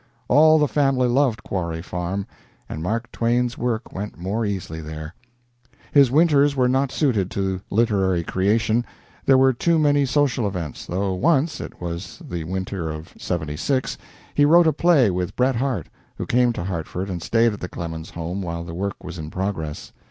All the family loved Quarry Farm, and Mark Twain's work went more easily there. His winters were not suited to literary creation there were too many social events, though once it was the winter of '76 he wrote a play with Bret Harte, who came to Hartford and stayed at the Clemens home while the work was in progress.